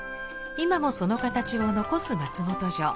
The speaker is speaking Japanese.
今もその形を残す松本城。